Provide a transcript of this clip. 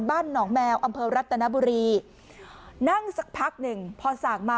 บ้านหนองแมวอำเภอรัตนบุรีนั่งสักพักหนึ่งพอสั่งมา